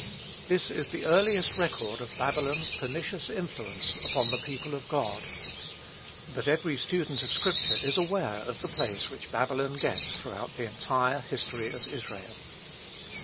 This is the earliest record of Babylon's pernicious influence upon the people of God; but every student of Scripture is aware of the place which Babylon gets throughout the entire history of Israel.